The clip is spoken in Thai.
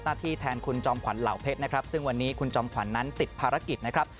ที่แทนคุณจอมขวัญเหล่าเพชรนะครับซึ่งวันนี้คุณจอมขวัญนั้นติดภารกิจนะครับ